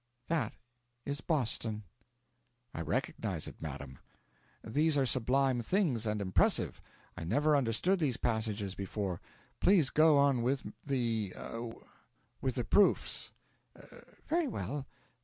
'That is Boston.' 'I recognise it, madam. These are sublime things and impressive; I never understood these passages before; please go on with the with the proofs.' 'Very well.